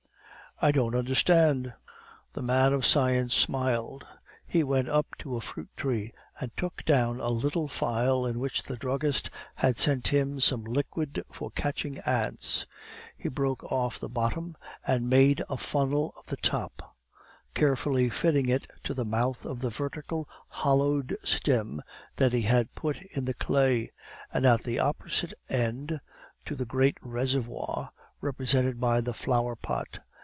"I don't understand." The man of science smiled. He went up to a fruit tree and took down a little phial in which the druggist had sent him some liquid for catching ants; he broke off the bottom and made a funnel of the top, carefully fitting it to the mouth of the vertical hollowed stem that he had set in the clay, and at the opposite end to the great reservoir, represented by the flower pot.